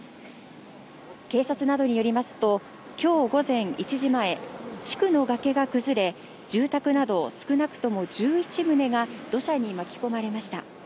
警察などによりますと、今日午前１時前、地区の崖が崩れ、住宅など少なくとも１１棟が土砂に巻き込まれました。